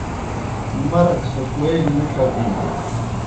مرگ سہ کوئے گہ نہ ڇکِینوْ